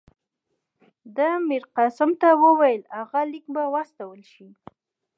ده میرقاسم ته وویل هغه لیک به واستول شي.